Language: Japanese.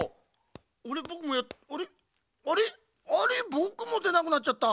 ぼくもでなくなっちゃった。